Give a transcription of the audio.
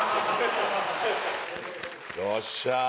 よっしゃー